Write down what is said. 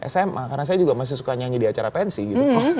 sma karena saya juga masih suka nyanyi di acara pensi gitu